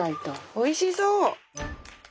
おいしそう！